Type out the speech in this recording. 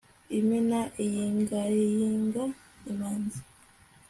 imena iyingayinga imanzi